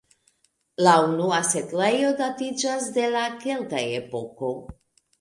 La unua setlejo datiĝas de la kelta epoko.